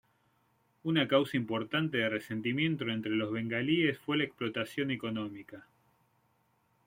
Una causa importante de resentimiento entre los bengalíes fue la explotación económica.